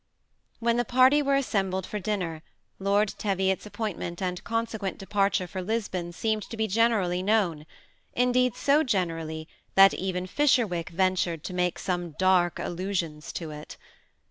When the party were assembled for dinner, Lord Teviot's appointment and consequent departure for Lis bon seemed to be generally known ; 'indeed, so gen erally, that even Fisherwick ventured to make some dark allusions to it.